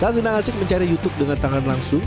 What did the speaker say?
tak senang asik mencari youtube dengan tangan langsung